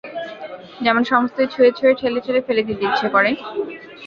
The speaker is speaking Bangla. যেমন সমস্তই ছুঁয়ে ছুঁয়ে ঠেলে ঠেলে ফেলে দিতে ইচ্ছে করে।